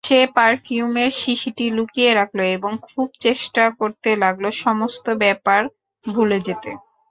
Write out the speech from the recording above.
সে পারফিউমের শিশিটি লুকিয়ে রাখল এবং খুব চেষ্টা করতে লাগল সমস্ত ব্যাপার ভুলে যেতে।